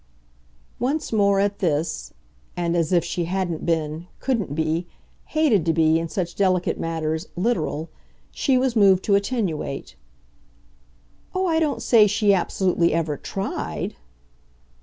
Once more, at this, and as if she hadn't been, couldn't be, hated to be, in such delicate matters, literal, she was moved to attenuate. "Oh, I don't say she absolutely ever TRIED